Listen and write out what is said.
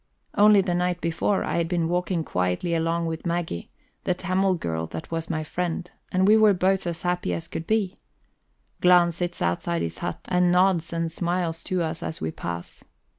Only the night before, I had been walking quietly along with Maggie, the Tamil girl that was my friend, and we were both as happy as could be. Glahn sits outside his hut, and nods and smiles to us as we pass.